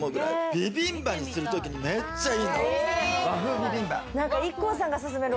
ビビンバにするときにめっちゃいいの。